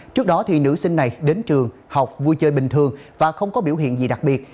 trước đó nữ sinh này đến trường học vui chơi bình thường và không có biểu hiện gì đặc biệt